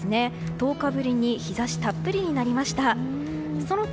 １０日ぶりに日差したっぷりになりました。